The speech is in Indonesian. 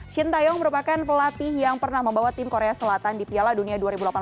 shin taeyong merupakan pelatih yang pernah membawa tim korea selatan di piala dunia dua ribu delapan belas